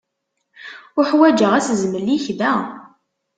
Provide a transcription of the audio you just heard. Uḥwaǧeɣ asezmel-ik da.